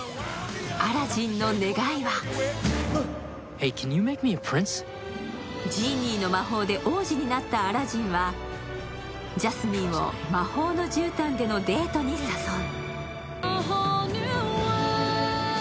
アラジンの願いはジーニーの魔法で王子になったアラジンはジャスミンを魔法のじゅうたんでのデートに誘う。